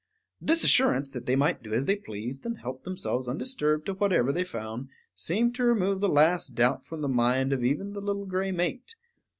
This assurance that they might do as they pleased, and help themselves undisturbed to whatever they found, seemed to remove the last doubt from the mind of even the little gray mate.